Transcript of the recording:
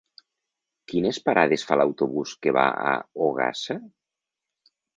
Quines parades fa l'autobús que va a Ogassa?